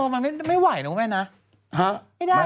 อ๋อมันไม่ไหวนะคุณเม่น